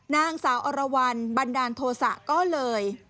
นางสาวอรวรรณบันดาลโทษะก็เลย